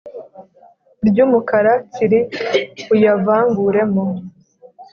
ryu mukara tsiri uyavanguremo